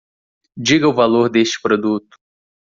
Diga o valor deste produto.